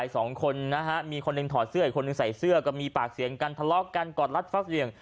สองคนนะฮะมีคนหนึ่งถอดเสื้ออีกคนนึงใส่เสื้อก็มีปากเสียงกันทะเลาะกันกอดรัดฟัดเหวี่ยง